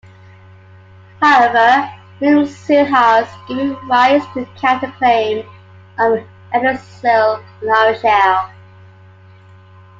However, William's seal has given rise to a counter claim of Ellerslie in Ayrshire.